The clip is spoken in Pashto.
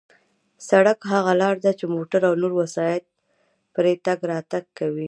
سړک هغه لار ده چې موټر او نور وسایط پرې تگ راتگ کوي.